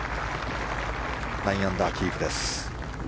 ９アンダーキープです。